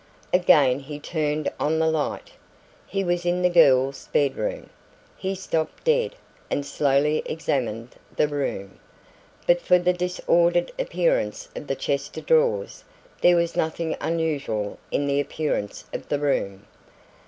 Again he turned on the light. He was in the girl's bedroom. He stopped dead, and slowly examined the room. But for the disordered appearance of the chest of drawers, there was nothing unusual in the appearance of the room.